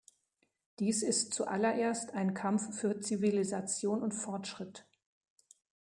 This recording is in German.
Dies ist zuallererst ein Kampf für Zivilisation und Fortschritt.